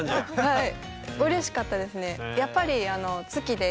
はい。